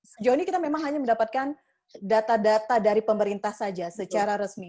sejauh ini kita memang hanya mendapatkan data data dari pemerintah saja secara resmi